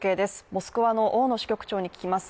モスクワの大野支局長に聞きます。